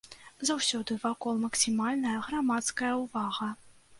Заўсёды вакол максімальная грамадская ўвага.